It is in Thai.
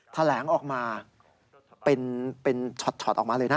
แถลงออกมาเป็นช็อตออกมาเลยนะ